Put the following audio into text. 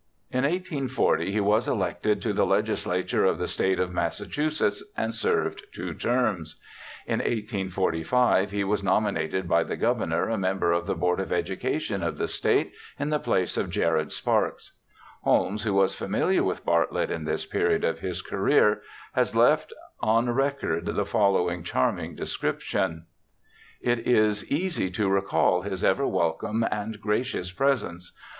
In 1840 he was elected to the Legislature of the State of Massachusetts and served two terms. In 1845 he was nominated by the Governor a member of the Board of Education of the State in the place of Jared Sparks. Holmes, who was familiar with Bartlett in this period of his career, has left on record the following charming description :' It is easy to recall his ever welcome and gracious presence.